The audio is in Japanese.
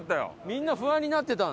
みんな不安になってた。